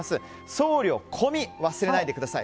送料込み、忘れないでください。